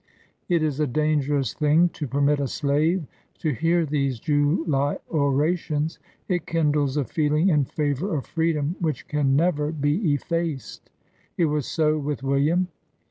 '' It is a dangerous thing to permit a slave to hear these July orations ; it kindles a feeling in favor of freedom which can never be effaced. It was so with William.